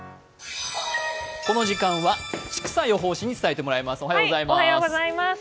この時間は千種予報士に伝えてもらいます。